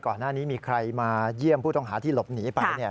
ก่อนหน้านี้มีใครมาเยี่ยมผู้ต้องหาที่หลบหนีไปเนี่ย